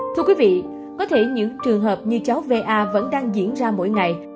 thưa quý vị có thể những trường hợp như cháu va vẫn đang diễn ra mỗi ngày